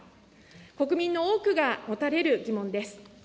国民の多くが持たれる疑問です。